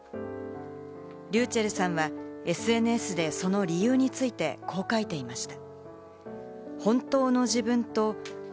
ｒｙｕｃｈｅｌｌさんはＳＮＳでその理由についてこう書いていました。